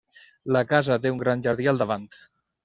La casa té un gran jardí al davant.